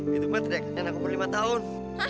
gitu mah teriaknya enak berlima tahun